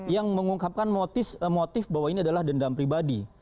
yang mengungkapkan motif bahwa ini adalah dendam pribadi